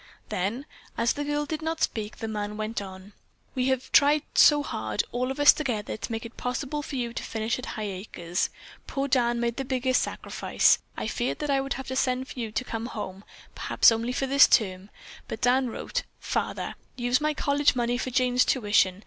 Then, as the girl did not speak, the man went on, "We have tried so hard, all of us together, to make it possible for you to finish at Highacres. Poor Dan made the biggest sacrifice. I feared that I would have to send for you to come home, perhaps only for this term, but Dan wrote, 'Father, use my college money for Jane's tuition.